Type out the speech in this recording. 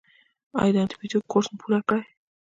ایا د انټي بیوټیک کورس مو پوره کړی؟